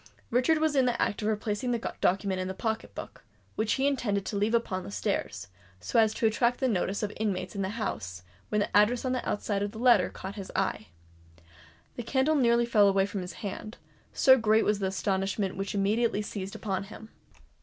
Richard was in the act of replacing the document in the pocket book, which he intended to leave upon the stairs, so as to attract the notice of the inmates of the house, when the address on the outside of the letter caught his eyes. The candle nearly fell from his hand, so great was the astonishment which immediately seized upon him.